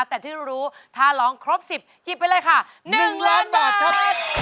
แต่ที่รู้ถ้าร้องครบ๑๐หยิบไปเลยค่ะ๑ล้านบาทครับ